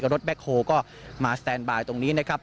รถแบ็คโฮก็มาสแตนบายตรงนี้นะครับ